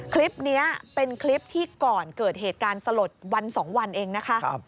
คลิปนี้เป็นคลิปที่ก่อนเกิดเหตุการณ์สลดวัน๒วันเองนะคะ